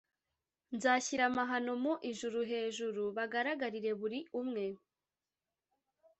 Nzashyira amahano mu ijuru hejuru bagaragarire buri umwe